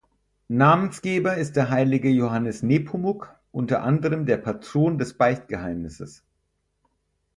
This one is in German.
Namensgeber ist der heilige Johannes Nepomuk, unter anderem der Patron des Beichtgeheimnisses.